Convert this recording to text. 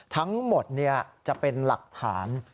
ทั้งหมดจะเป็นหลักฐาน